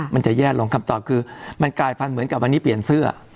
มันจะแย่ลงคำตอบคือมันกลายพันธุ์เหมือนกับวันนี้เปลี่ยนเสื้อ